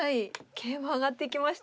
桂馬上がっていきました。